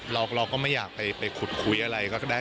เราก็ไม่อยากไปขุดคุยอะไรก็ได้